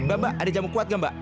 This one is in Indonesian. mbak mbak ada jamu kuat nggak mbak